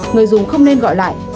người dùng không nên gọi lại